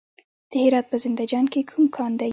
د هرات په زنده جان کې کوم کان دی؟